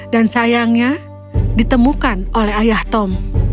dan sayangnya ditemukan oleh ayah tom